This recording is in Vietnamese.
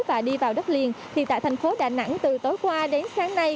và đi vào đất liền thì tại thành phố đà nẵng từ tối qua đến sáng nay